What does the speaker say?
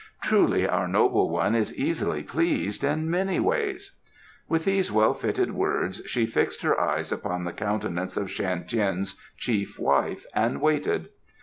Truly our noble one is easily pleased in many ways!" With these well fitted words she fixed her eyes upon the countenance of Shan Tien's chief wife and waited.